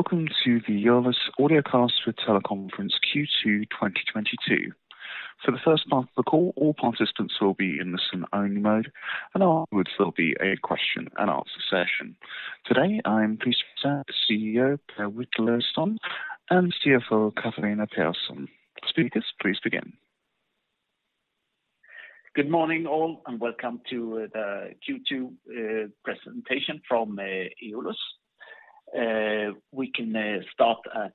Welcome to the Eolus audiocast for teleconference Q2 2022. For the first part of the call, all participants will be in listen-only mode, and afterwards there'll be a question-and-answer session. Today, I am pleased to introduce CEO, Per Witalisson, and CFO, Catharina Persson. Speakers, please begin. Good morning all, and welcome to the Q2 presentation from Eolus. We can start at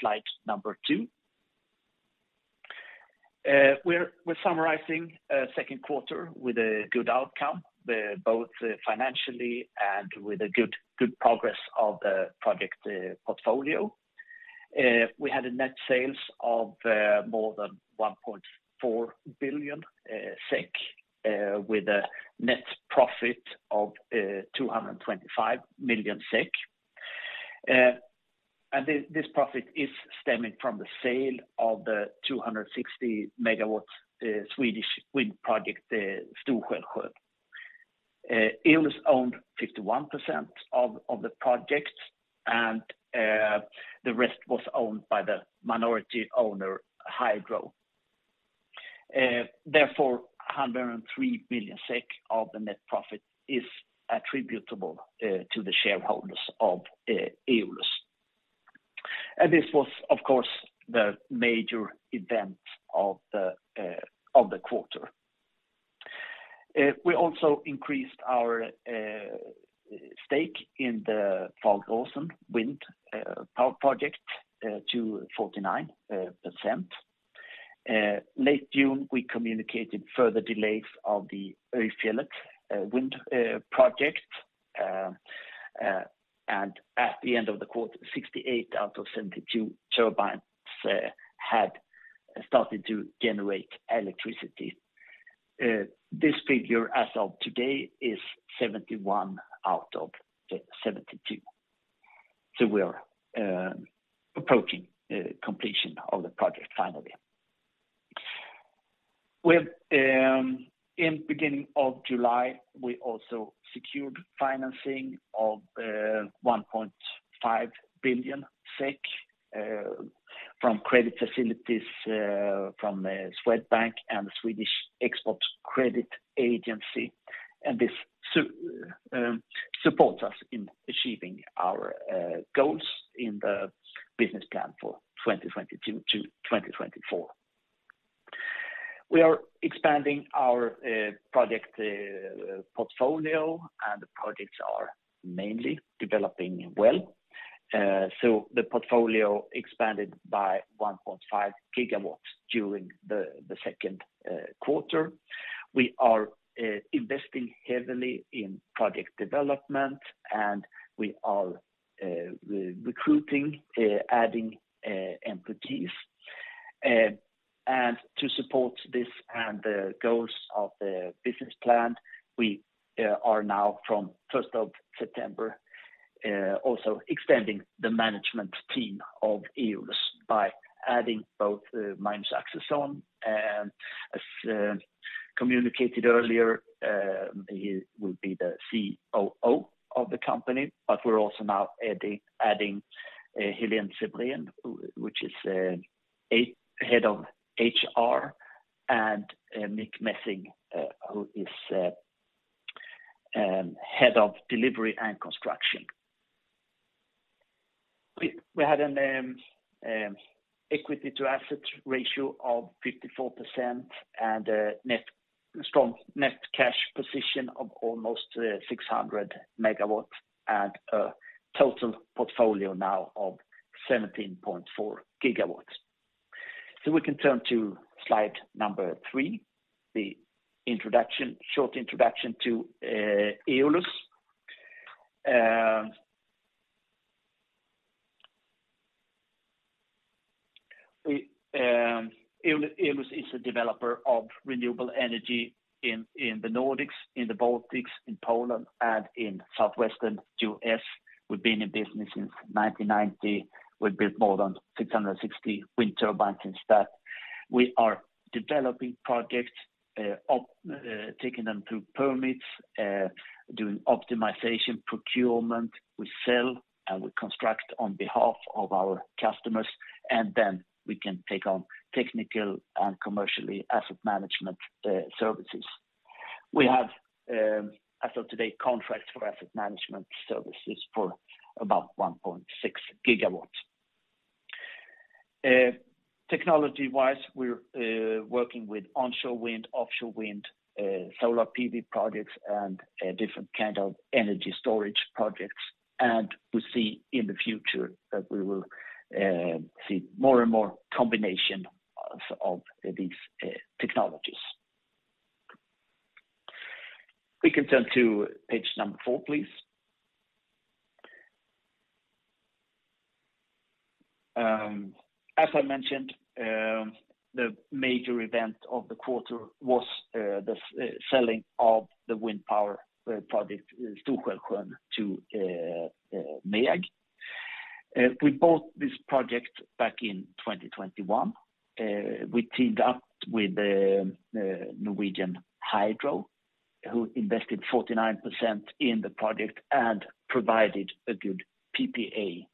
slide number two. We're summarizing second quarter with a good outcome both financially and with a good progress of the project portfolio. We had net sales of more than 1.4 billion SEK with a net profit of 225 million SEK. This profit is stemming from the sale of the 260 MW Swedish wind project Stor-Skälsjön. Eolus owned 51% of the project and the rest was owned by the minority owner, Hydro. Therefore, 103 million SEK of the net profit is attributable to the shareholders of Eolus. This was, of course, the major event of the quarter. We also increased our stake in the Fageråsen wind power project to 49%. Late June, we communicated further delays of the Øyfjellet wind project. At the end of the quarter, 68 out of 72 turbines had started to generate electricity. This figure as of today is 71 out of 72. We are approaching completion of the project finally. In the beginning of July, we also secured financing of 1.5 billion SEK from credit facilities from Swedbank and the Swedish Export Credit Corporation. This sum supports us in achieving our goals in the business plan for 2022 to 2024. We are expanding our project portfolio, and the projects are mainly developing well. The portfolio expanded by 1.5 GW during the second quarter. We are investing heavily in Project Development, and we are recruiting, adding employees. To support this and the goals of the business plan, we are now from September 1st, 2022 also extending the management team of Eolus by adding both Magnus Axelsson and, as communicated earlier, he will be the COO of the company. We're also now adding Heléne Sebrén, who is a head of HR, and Michiel Messing, who is head of delivery and construction. We had equity to assets ratio of 54% and a strong net cash position of almost 600 million and a total portfolio now of 17.4 GW. We can turn to slide three, the introduction, short introduction to Eolus. Eolus is a developer of renewable energy in the Nordics, in the Baltics, in Poland, and in Southwestern U.S. We've been in business since 1990. We built more than 660 wind turbines and stuff. We are developing projects, taking them through permits, doing optimization, procurement. We sell and we construct on behalf of our customers, and then we can take on technical and commercial asset management services. We have, as of today, contracts for asset management services for about 1.6 GW. Technology-wise, we're working with onshore wind, offshore wind, solar PV projects, and different kind of energy storage projects. We see in the future that we will see more and more combination of these technologies. We can turn to page number four, please. As I mentioned, the major event of the quarter was the selling of the wind power project Stor-Skälsjön to MEAG. We bought this project back in 2021. We teamed up with the Norwegian Hydro REIN, who invested 49% in the project and provided a good PPA,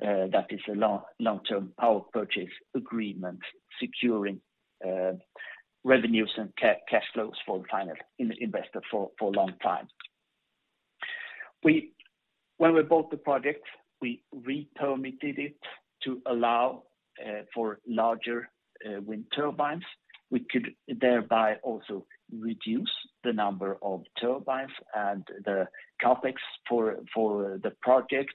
that is a long-term power purchase agreement, securing revenues and cash flows for the final investor for a long time. When we bought the project, we re-permitted it to allow for larger wind turbines. We could thereby also reduce the number of turbines and the CapEx for the project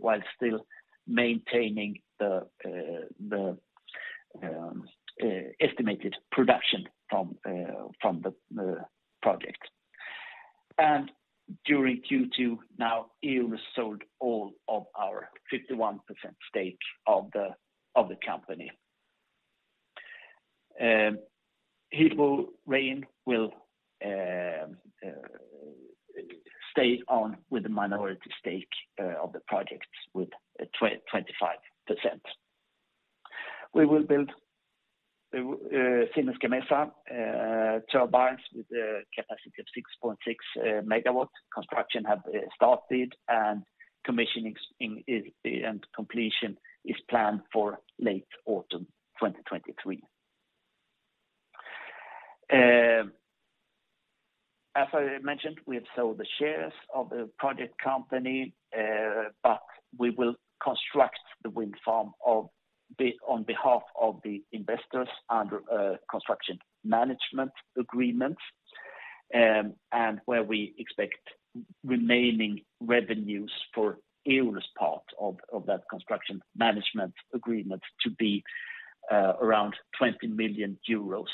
while still maintaining the estimated production from the project. During Q2 now, Eolus sold all of our 51% stake of the company. Hydro REIN will stay on with the minority stake of the project with 25%. We will build the Siemens Gamesa turbines with a capacity of 6.6 MW. Construction have started and commissioning is and completion is planned for late autumn 2023. As I mentioned, we have sold the shares of the project company but we will construct the wind farm on behalf of the investors under construction management agreement. Where we expect remaining revenues for Eolus part of that construction management agreement to be around 20 million euros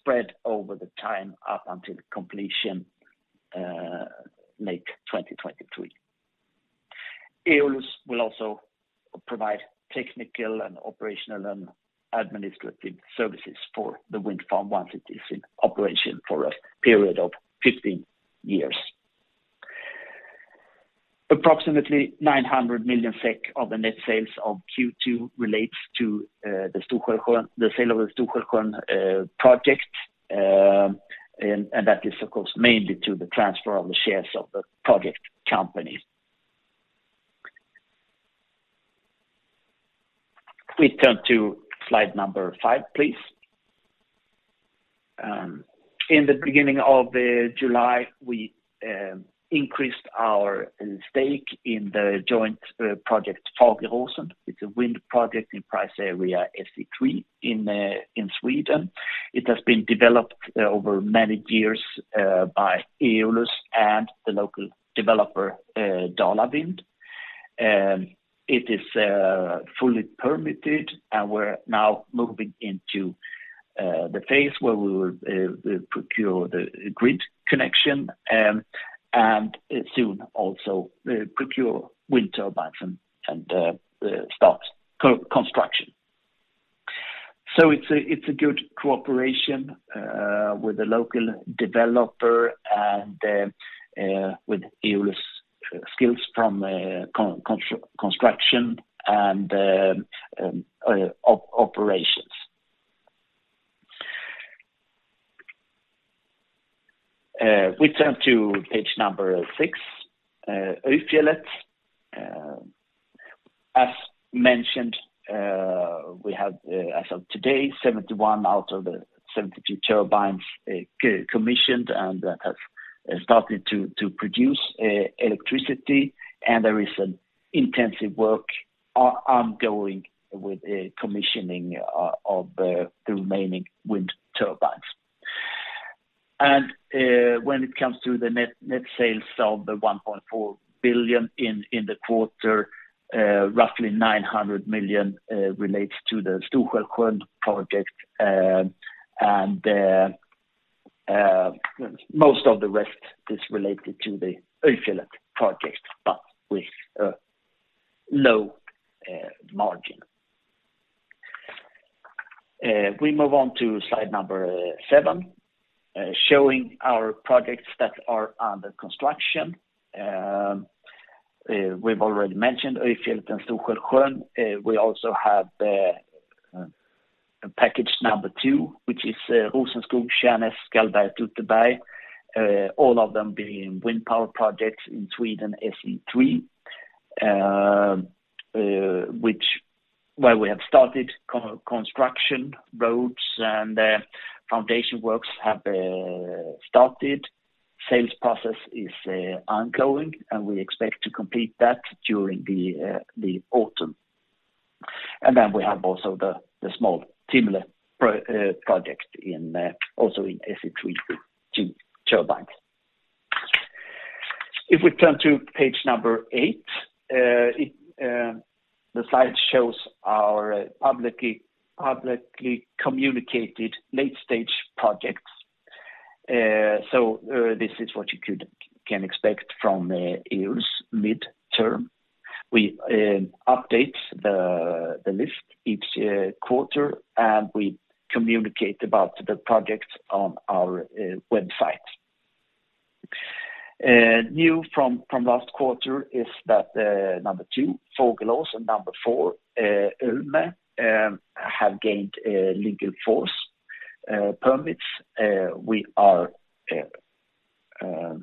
spread over the time up until completion late 2023. Eolus will also provide technical and operational and administrative services for the wind farm once it is in operation for a period of 15 years. Approximately 900 million SEK of the net sales of Q2 relates to the sale of the Stor-Skälsjön project. That is of course mainly to the transfer of the shares of the project company. We turn to slide number five, please. In the beginning of July, we increased our stake in the joint project Fageråsen. It's a wind project in price area SE3 in Sweden. It has been developed over many years by Eolus and the local developer, DalaVind. It is fully permitted, and we're now moving into the phase where we will procure the grid connection, and soon also procure wind turbines and start construction. It's a good cooperation with the local developer and with Eolus skills from construction and operations. We turn to page number six, Øyfjellet. As mentioned, we have, as of today, 71 out of the 72 turbines, commissioned and have started to produce electricity. There is an intensive work ongoing with commissioning of the remaining wind turbines. When it comes to the net sales of 1.4 billion in the quarter, roughly 900 million relates to the Stor-Skälsjön project. Most of the rest is related to the Øyfjellet project, but with a low margin. We move on to slide number seven, showing our projects that are under construction. We've already mentioned Øyfjellet and Stor-Skälsjön. We also have package number two, which is Rosenskog, Tjärnäs, Skallberget, Utterberget, all of them being wind power projects in Sweden, SE3, where we have started construction, roads and foundation works have started. Sales process is ongoing, and we expect to complete that during the autumn. We have also the small Timmele project in also in SE3 with two turbines. If we turn to page number eight, it the slide shows our publicly communicated late-stage projects. This is what you can expect from Eolus mid-term. We update the list each quarter, and we communicate about the projects on our website. New from last quarter is that number two, Fågelås, and number four, Ölme have gained legal force permits. We are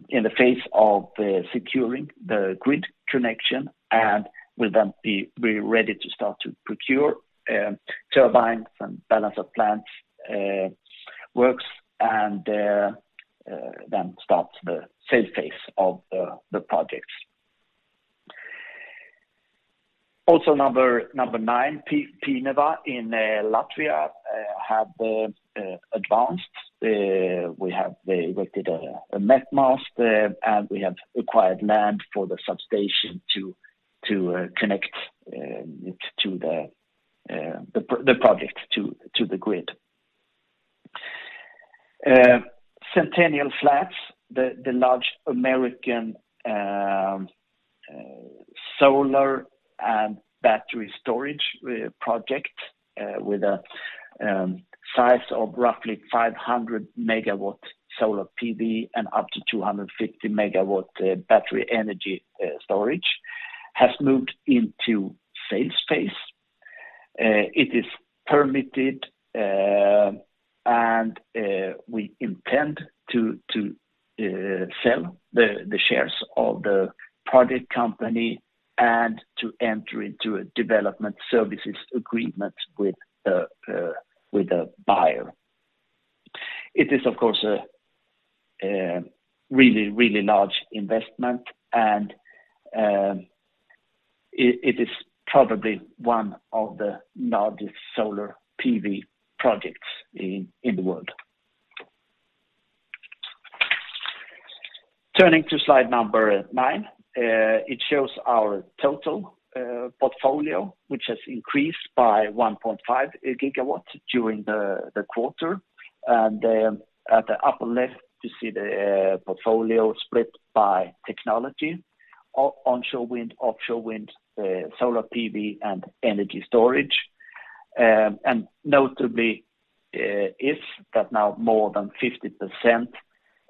in the phase of securing the grid connection, and will then be ready to start to procure turbines and balance of plant works, and then start the sales phase of the projects. Number nine, Pienava in Latvia have advanced. We have erected a met mast and we have acquired land for the substation to connect the project to the grid. Centennial Flats, the large American solar and battery storage project with a size of roughly 500 MW solar PV and up to 250 MW battery energy storage, has moved into sales phase. It is permitted and we intend to sell the shares of the project company and to enter into a development services agreement with the buyer. It is, of course, a really large investment and it is probably one of the largest solar PV projects in the world. Turning to slide number nine, it shows our total portfolio, which has increased by 1.5 GW during the quarter. At the upper left you see the portfolio split by technology, onshore wind, offshore wind, solar PV, and energy storage. Notably, is that now more than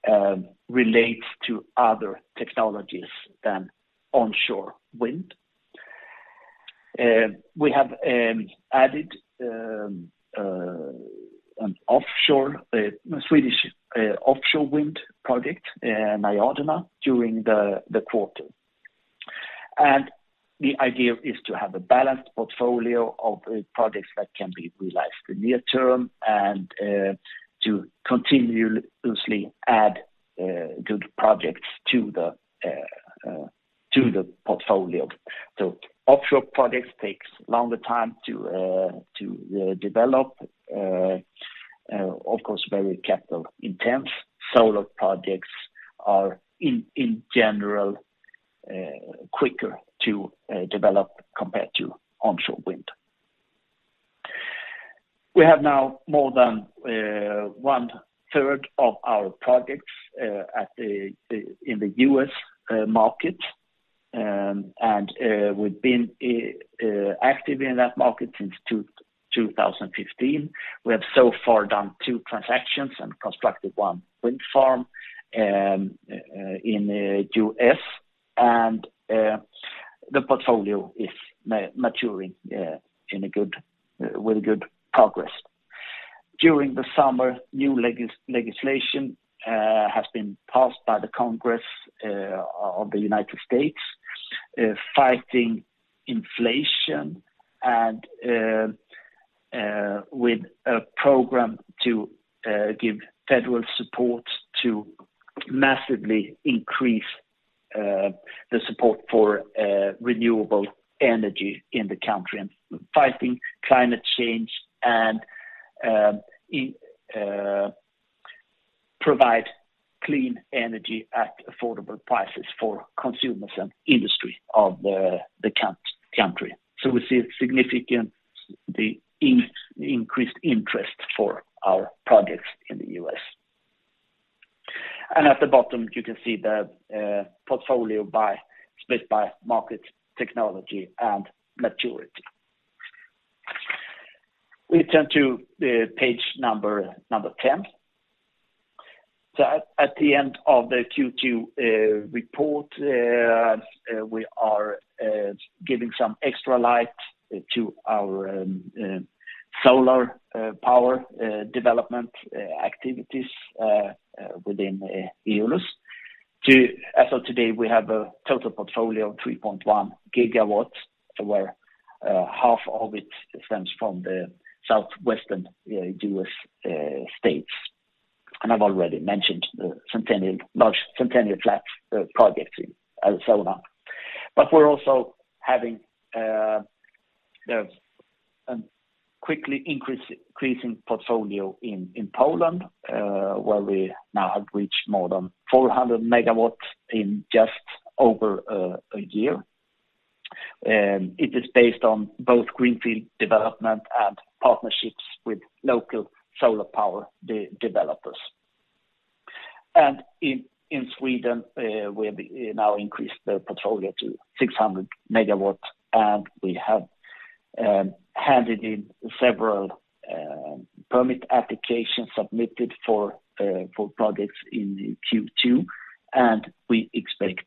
50% relates to other technologies than onshore wind. We have added an offshore Swedish offshore wind project, Najaderna, during the quarter. The idea is to have a balanced portfolio of projects that can be realized in near term and to continuously add good projects to the portfolio. Offshore projects takes longer time to develop, of course, very capital intensive. Solar projects are in general quicker to develop compared to onshore wind. We have now more than 1/3 of our projects in the U.S. market, and we've been active in that market since 2015. We have so far done two transactions and constructed one wind farm in the U.S. and the portfolio is maturing with good progress. During the summer, new legislation has been passed by the United States Congress fighting inflation and with a program to give federal support to massively increase the support for renewable energy in the country and fighting climate change and provide clean energy at affordable prices for consumers and industry of the country. We see a significant increased interest for our projects in the U.S. At the bottom you can see the portfolio split by market technology and maturity. We turn to page number 10. At the end of the Q2 report, we are giving some extra light to our solar power development activities within Eolus. As of today, we have a total portfolio of 3.1 GW, where half of it stems from the southwestern US states. I've already mentioned the large Centennial Flats project in Arizona. We're also having the quickly increasing portfolio in Poland where we now have reached more than 400 MW in just over a year. It is based on both greenfield development and partnerships with local solar power developers. In Sweden we've now increased the portfolio to 600 MW, and we have handed in several permit applications submitted for projects in the Q2, and we expect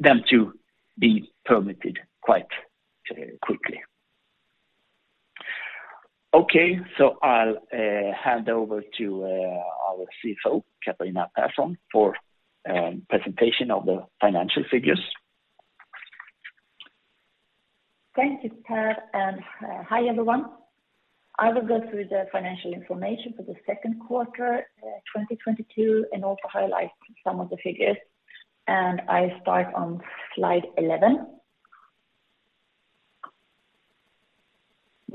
them to be permitted quite quickly. Okay. I'll hand over to our CFO, Catharina Persson, for presentation of the financial figures. Thank you, Per, and hi, everyone. I will go through the financial information for the second quarter 2022, and also highlight some of the figures, and I start on slide 11.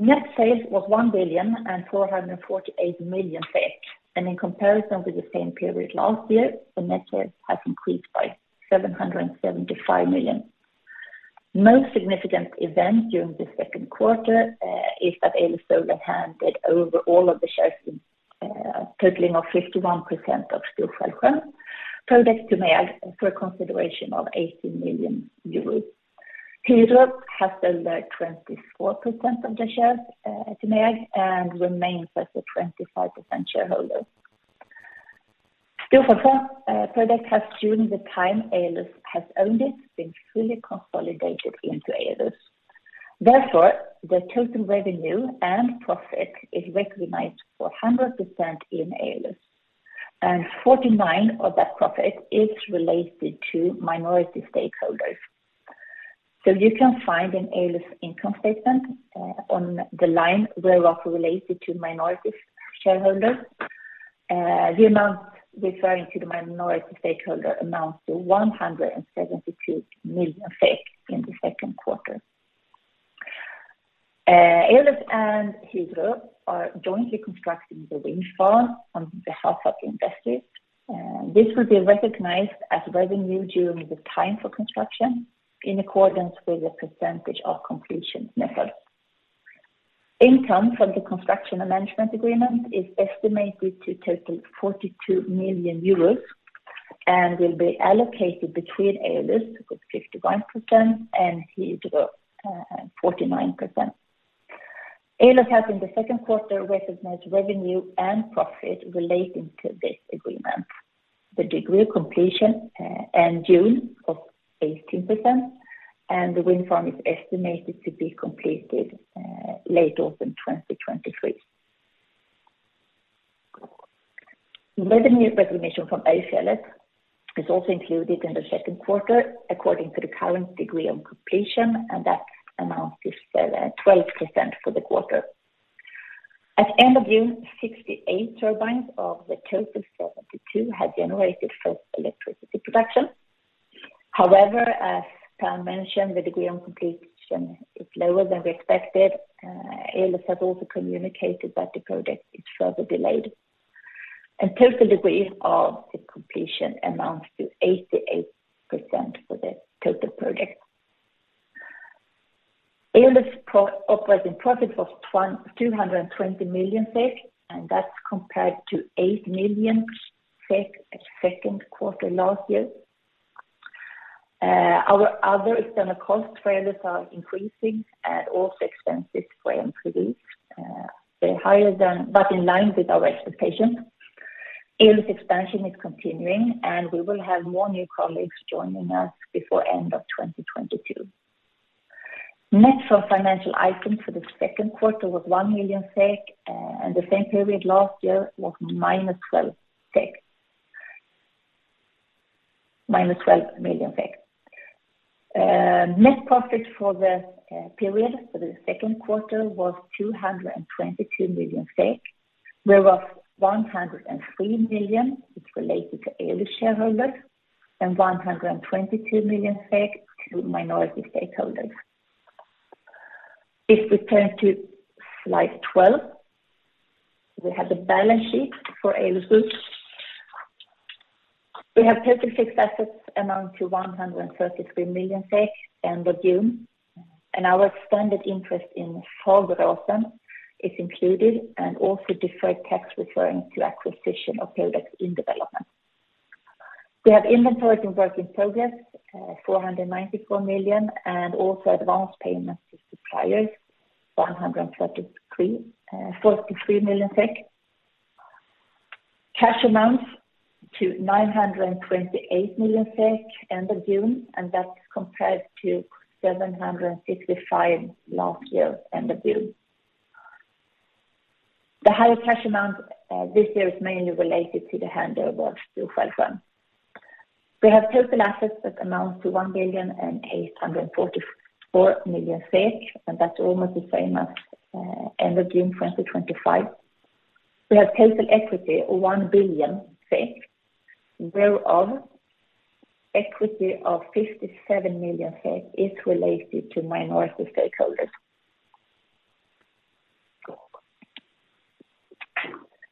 Net sales was 1,448 million, and in comparison with the same period last year, the net sales has increased by 775 million. Most significant event during the second quarter is that Eolus handed over all of the shares totaling of 51% of Stor-Skälsjön project to MEAG for a consideration of 80 million euros. Hydro REIN has sold 24% of the shares to MEAG and remains as the 25% shareholder. Stor-Skälsjön project has, during the time Eolus has owned it, been fully consolidated into Eolus. Therefore, the total revenue and profit is recognized for 100% in Eolus, and 49% of that profit is related to minority stakeholders. You can find in Eolus income statement, on the line whereof related to minority shareholders. The amount referring to the minority stakeholder amounts to 172 million in the second quarter. Eolus and Hydro REIN are jointly constructing the wind farm on behalf of the investors, and this will be recognized as revenue during the time for construction in accordance with the percentage of completion method. Income from the construction and management agreement is estimated to total 42 million euros and will be allocated between Eolus with 51% and Hydro REIN, 49%. Eolus has in the second quarter recognized revenue and profit relating to this agreement. The degree of completion in June was 18%, and the wind farm is estimated to be completed later in 2023. Revenue recognition from Øyfjellet is also included in the second quarter according to the current degree of completion, and that amount is 12% for the quarter. At end of June, 68 turbines of the total 72 had generated first electricity production. However, as Per mentioned, the degree of completion is lower than we expected. Eolus has also communicated that the project is further delayed. Total degree of the completion amounts to 88% for the total project. Eolus operating profit was 220 million SEK, and that's compared to 8 million SEK at second quarter last year. Our other external costs for Eolus are increasing and also expenses for employees. They're higher than, but in line with our expectations. Eolus expansion is continuing, and we will have more new colleagues joining us before end of 2022. Net financial items for the second quarter was 1 million SEK, and the same period last year was -12 million SEK. Net profit for the period for the second quarter was 222 million, whereof 103 million is related to Eolus shareholders and 122 million to minority stakeholders. If we turn to slide 12, we have the balance sheet for Eolus group. We have total fixed assets amount to 133 million end of June, and our standard interest in Fageråsen is included and also deferred tax referring to acquisition of projects in development. We have inventory work in progress, 494 million and also advanced payments to suppliers, 143 million SEK. Cash amounts to 928 million SEK end of June, and that's compared to 765 million last year end of June. The higher cash amount this year is mainly related to the handover of Stor-Skälsjön. We have total assets that amount to 1,844 million, and that's almost the same as end of June 2025. We have total equity of 1 billion, whereof equity of 57 million is related to minority stakeholders.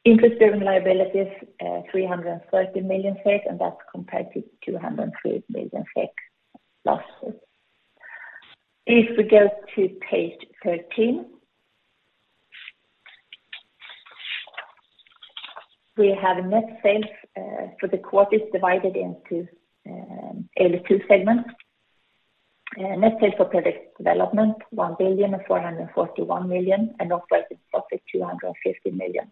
Interest-bearing liabilities, 330 million SEK, and that's compared to 203 million SEK last year. If we go to page 13. We have net sales for the quarter divided into Eolus' two segments. Net sales for Project Development, 1,441 million and operating profit 250 million.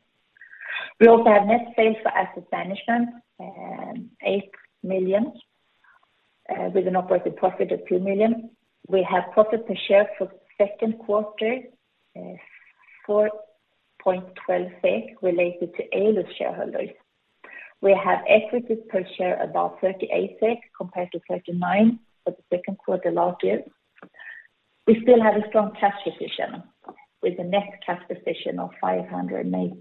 We also have net sales for Asset Management and 8 million with an operating profit of 2 million. We have profit per share for second quarter, 4.12 related to Eolus shareholders. We have equity per share about 38 SEK compared to 39 for the second quarter last year. We still have a strong cash position with the net cash position of 598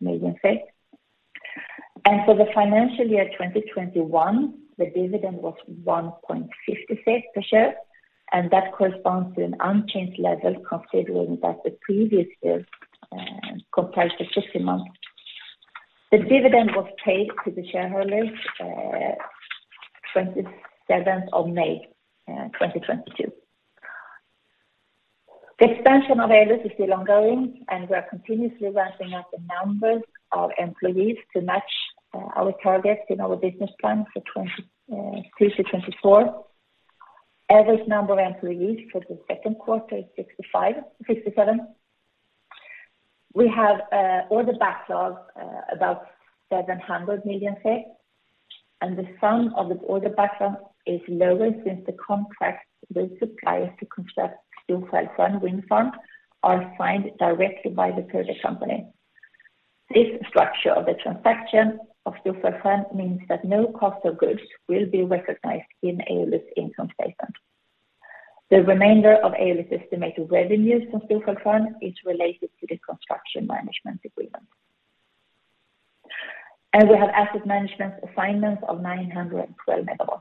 million. For the financial year 2021, the dividend was 1.50 per share, and that corresponds to an unchanged level considering that the previous year compared to 50%. The dividend was paid to the shareholders, May 27th, 2022. The expansion of Eolus is still ongoing, and we are continuously ramping up the numbers of employees to match our targets in our business plan for 2023-2024. Average number of employees for the second quarter is 65-67. We have order backlog about 700 million, and the sum of the order backlog is lower since the contract with suppliers to construct Stor-Skälsjön Wind Farm are signed directly by the project company. This structure of the transaction of Stor-Skälsjön means that no cost of goods will be recognized in Eolus income statement. The remainder of Eolus estimated revenues from Stor-Skälsjön is related to the construction management agreement. We have asset management assignments of 912 MW.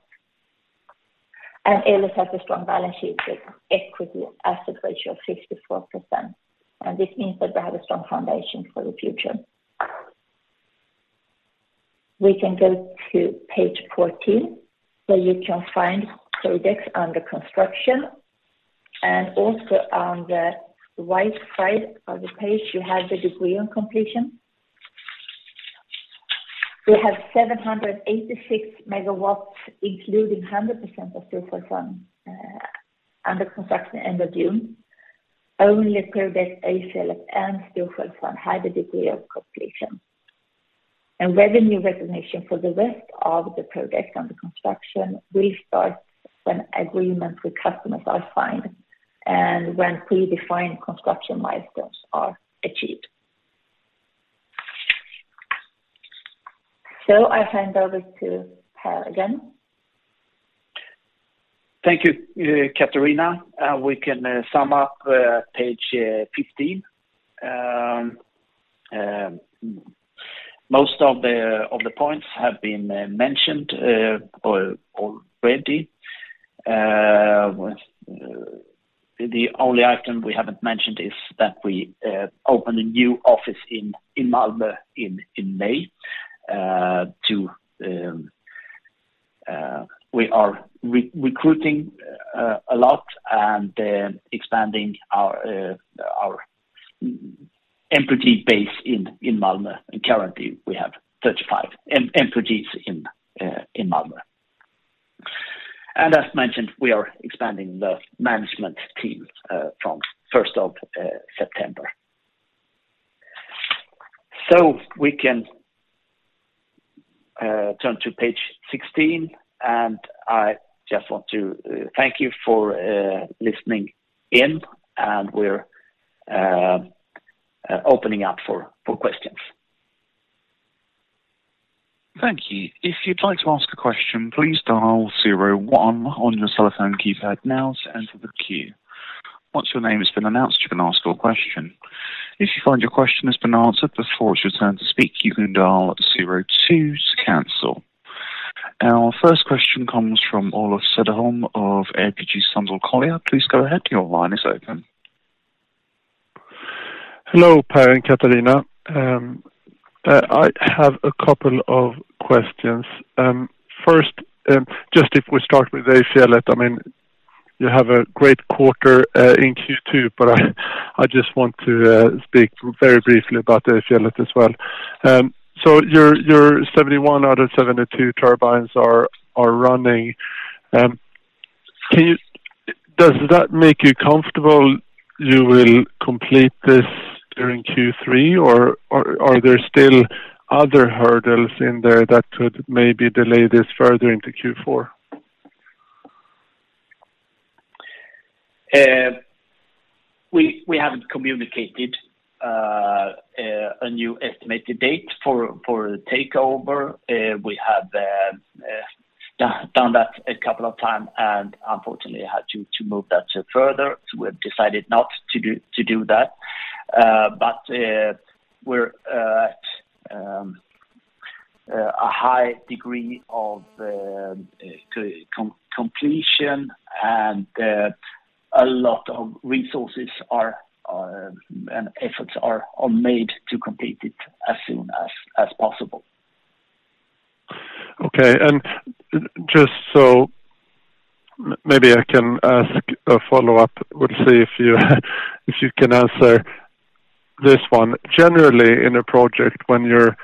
Eolus has a strong balance sheet with equity asset ratio of 54%, and this means that they have a strong foundation for the future. We can go to page 14, where you can find projects under construction. Also on the right side of the page, you have the degree of completion. We have 786 MW, including 100% of Stor-Skälsjön, under construction end of June. Only project Øyfjellet and Stor-Skälsjön had a degree of completion. Revenue recognition for the rest of the projects under construction will start when agreements with customers are signed and when predefined construction milestones are achieved. I hand over to Per again. Thank you, Catharina. We can sum up page 15. Most of the points have been mentioned already. The only item we haven't mentioned is that we opened a new office in Malmö in May we are recruiting a lot and expanding our employee base in Malmö. Currently we have 35 employees in Malmö. As mentioned, we are expanding the management team from first of September. We can turn to page 16, and I just want to thank you for listening in, and we're opening up for questions. Thank you. If you'd like to ask a question, please dial zero one on your cellphone keypad now to enter the queue. Once your name has been announced, you can ask your question. If you find your question has been answered before it's your turn to speak, you can dial zero two to cancel. Our first question comes from Olof Söderholm of ABG Sundal Collier. Please go ahead. Your line is open. Hello, Per and Catharina. I have a couple of questions. First, just if we start with Øyfjellet, I mean, you have a great quarter in Q2, but I just want to speak very briefly about Øyfjellet as well. So your 71 out of 72 turbines are running. Does that make you comfortable you will complete this during Q3 or are there still other hurdles in there that could maybe delay this further into Q4? We haven't communicated a new estimated date for the takeover. We have done that a couple of times, and unfortunately had to move that further, so we've decided not to do that. We're at a high degree of completion, and a lot of resources and efforts are all made to complete it as soon as possible. Okay. Just so maybe I can ask a follow-up. We'll see if you can answer this one. Generally, in a project when you're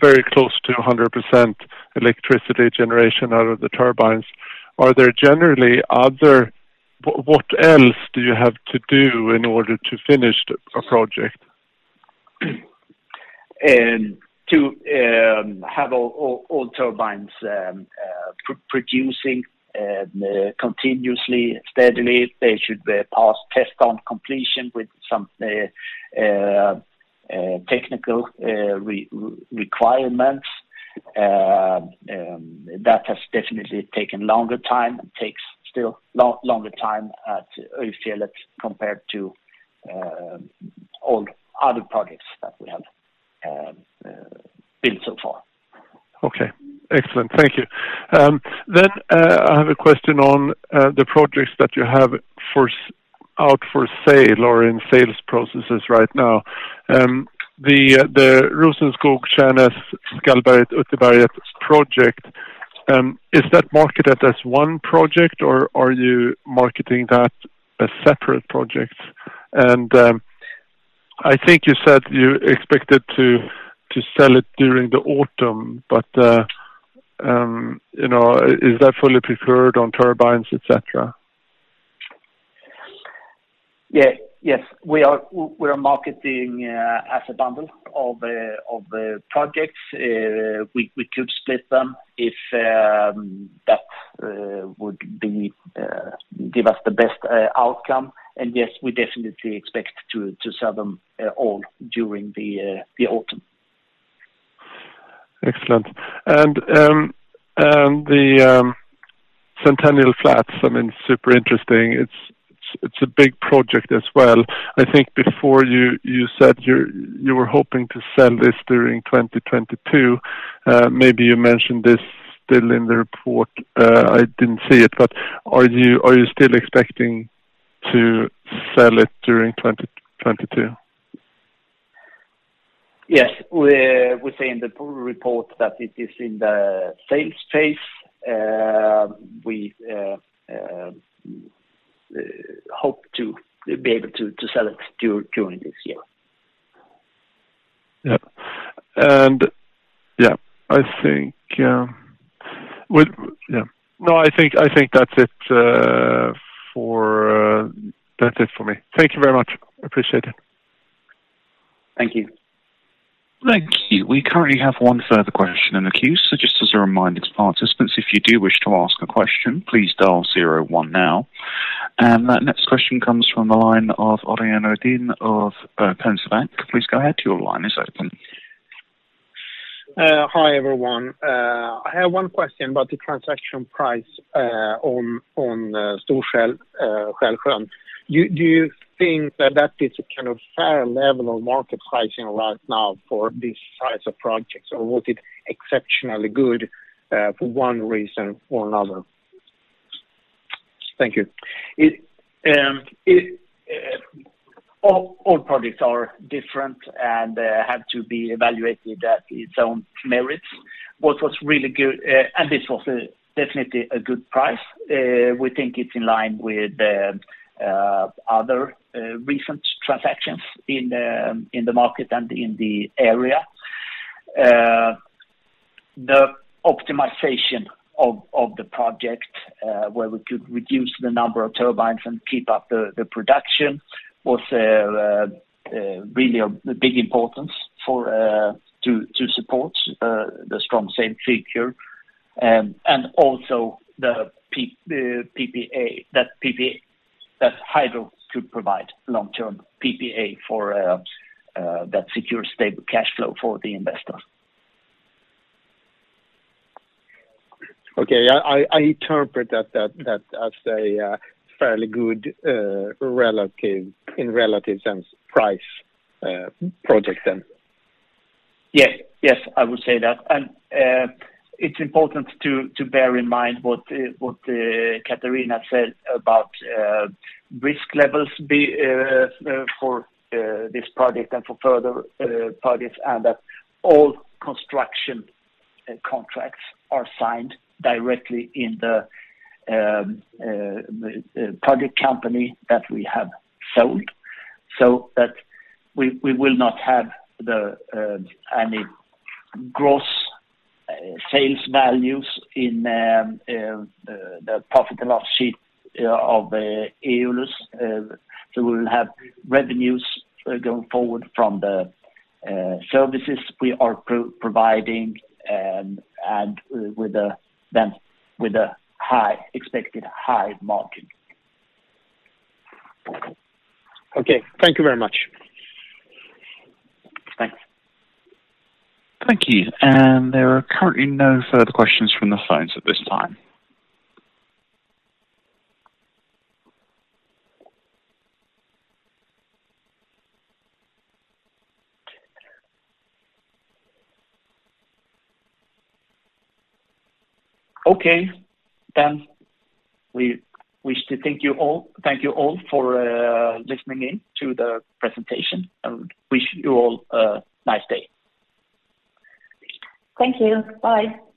very close to 100% electricity generation out of the turbines, are there generally other what else do you have to do in order to finish a project? To have all turbines producing continuously, steadily, they should pass test on completion with some technical requirements. That has definitely taken longer time and takes still longer time at Utterberget compared to all other projects that we have built so far. I have a question on the projects that you have out for sale or in sales processes right now. The Rosenskog, Tjärnäs, Skallberget, Utterberget project, is that marketed as one project, or are you marketing that as separate projects? I think you said you expected to sell it during the autumn, but you know, is that fully permitted on turbines, et cetera? Yes. We are marketing as a bundle of the projects. We could split them if that would give us the best outcome. Yes, we definitely expect to sell them all during the autumn. Excellent. The Centennial Flats, I mean, super interesting. It's a big project as well. I think before you said you were hoping to sell this during 2022. Maybe you mentioned this still in the report. I didn't see it, but are you still expecting to sell it during 2022? Yes. We say in the full report that it is in the sales phase. We hope to be able to sell it during this year. Yeah. Yeah, I think. Yeah. No, I think that's it for me. Thank you very much. Appreciate it. Thank you. Thank you. We currently have one further question in the queue. So just as a reminder to participants, if you do wish to ask a question, please dial zero one now. That next question comes from the line of Ørjan Oden of Penser Bank. Please go ahead. Your line is open. Hi, everyone. I have one question about the transaction price on Stor-Skälsjön. Do you think that is a kind of fair level of market pricing right now for this size of projects, or was it exceptionally good for one reason or another? Thank you. All projects are different and have to be evaluated at its own merits. What was really good and this was definitely a good price. We think it's in line with the other recent transactions in the market and in the area. The optimization of the project where we could reduce the number of turbines and keep up the production was really of big importance to support the strong same figure. Also the PPA that Hydro REIN could provide long-term PPA for that secure stable cash flow for the investor. Okay. I interpret that as a fairly good relative in relative sense price project then. Yes. Yes, I would say that. It's important to bear in mind what Catharina said about risk levels for this project and for further projects and that all construction contracts are signed directly in the project company that we have sold. That we will not have any gross sales values in the profit and loss sheet of the Eolus. We'll have revenues going forward from the services we are providing and with them with a high expected high margin. Okay. Thank you very much. Thanks. Thank you. There are currently no further questions from the phones at this time. Okay. We wish to thank you all for listening in to the presentation and wish you all a nice day. Thank you. Bye.